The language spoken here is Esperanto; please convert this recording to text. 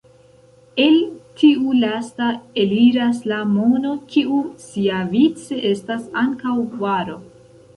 El tiu lasta eliras la mono, kiu siavice estas ankaŭ varo.